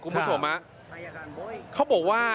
คุณผู้ชมเขาบอกว่า